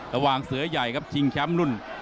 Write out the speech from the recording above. เสือใหญ่ครับชิงแชมป์รุ่น